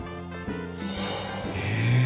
へえ！